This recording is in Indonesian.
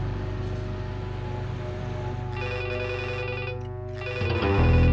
ia sudah selesai